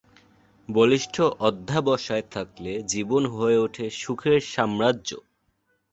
বলিষ্ঠ অধ্যবসায় থাকলে জীবন হয়ে উঠে সুখের সাম্রাজ্য।